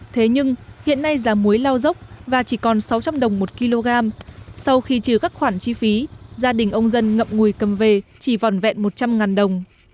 thế nhưng hiện nay giá muối lao dốc và chỉ còn sáu trăm linh đồng một kg sau khi trừ các khoản chi phí gia đình ông dân ngậm ngùi cầm về chỉ vòn vẹn một trăm linh đồng